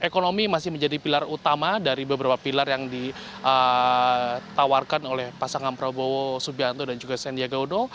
ekonomi masih menjadi pilar utama dari beberapa pilar yang ditawarkan oleh pasangan prabowo subianto dan juga sandiaga uno